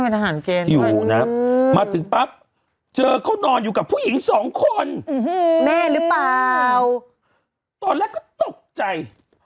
มาถึงปั๊บเจอเขานอนอยู่กับผู้หญิงสองคนแม่หรือเปล่าตอนแรกก็ตกใจ